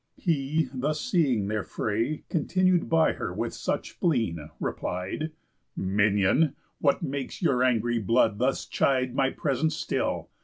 He, thus seeing their fray Continued by her with such spleen, replied: "Minion! What makes your angry blood thus chide My presence still?